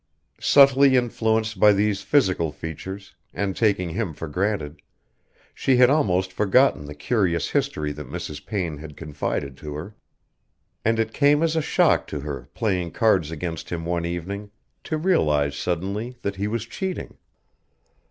Subtly influenced by these physical features, and taking him for granted, she had almost forgotten the curious history that Mrs. Payne had confided to her, and it came as a shock to her playing cards against him one evening, to realise suddenly that he was cheating.